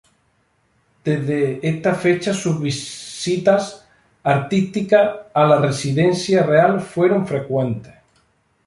Desde esta fecha sus visitas artísticas a la residencia real fueron frecuentes.